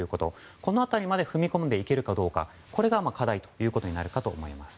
この辺りまで踏み込めるかどうかこれが課題となるかと思います。